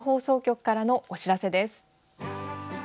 続いて千葉放送局からのお知らせです。